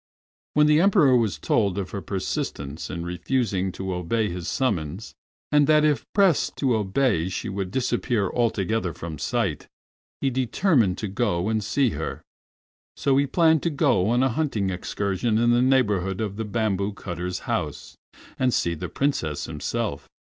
When the Emperor was told of her persistence in refusing to obey his summons, and that if pressed to obey she would disappear altogether from sight, he determined to go and see her. So he planned to go on a hunting excursion in the neighborhood of the bamboo cutter's house, and see the Princess himself.